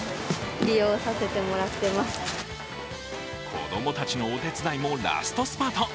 子供たちのお手伝いもラストスパート。